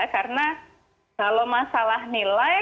karena kalau masalah nilai